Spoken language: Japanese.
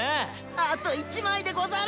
あと１枚でござる！